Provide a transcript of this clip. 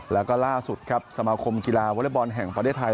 แล้วก็ล่าสุดครับสมาคมกีฬาวอเล็กบอลแห่งประเทศไทย